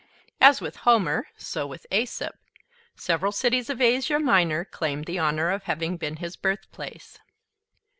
As with Homer, so with Aesop, several cities of Asia Minor claimed the honor of having been his birthplace.